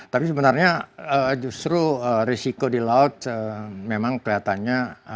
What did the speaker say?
tapi sebenarnya justru risiko di laut memang kelihatannya